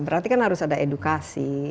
berarti kan harus ada edukasi